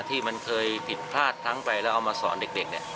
ที่มันเคยผิดพลาดทั้งไปแล้วเอามาสอนเด็กเนี่ย